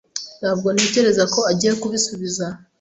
Ntabwo ntekereza ko agiye kubisubiza.